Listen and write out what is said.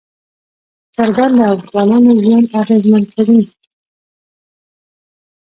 چرګان د افغانانو ژوند اغېزمن کوي.